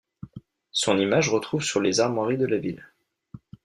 Son image retrouve sur les armoiries de la ville.